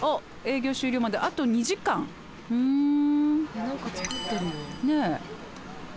何か作ってるよ。ね。